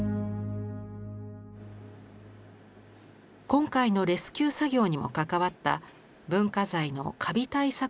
今回のレスキュー作業にも関わった文化財のカビ対策